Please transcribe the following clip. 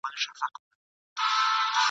احتیاط ښه دی په حساب د هوښیارانو ..